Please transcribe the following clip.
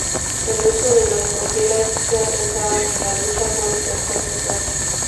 El resto de las colleras ya pensaban en la lucha por el tercer lugar.